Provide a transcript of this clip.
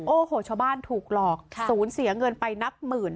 โอ้โหชาวบ้านถูกหลอกศูนย์เสียเงินไปนับหมื่น